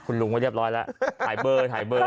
คุณลุงไว้เรียบร้อยแล้วถ่ายเบอร์ถ่ายเบอร์